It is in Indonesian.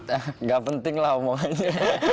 enggak penting lah omongannya